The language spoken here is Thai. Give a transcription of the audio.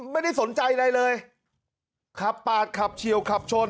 ไม่ได้สนใจอะไรเลยขับปาดขับเฉียวขับชน